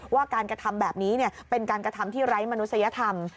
ว่าการกระทำแบบนี้เป็นการกระทำที่ไร้มนุษยธรรม